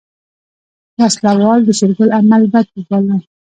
وسله وال د شېرګل عمل بد وباله.